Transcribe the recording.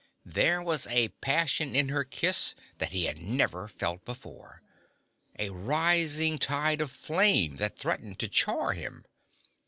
There was a passion to her kiss that he had never felt before, a rising tide of flame that threatened to char him.